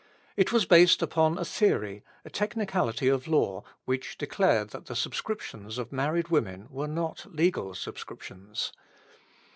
It was based upon a theory, a technicality of law, which declared that the subscriptions of married women were not legal subscriptions.